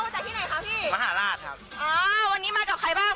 เดินทางวันจากที่ไหนคะพี่มหาลาศครับอ๋อวันนี้มาจากใครบ้าง